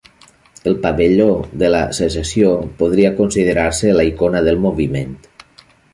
El pavelló de la Secessió podria considerar-se la icona del moviment.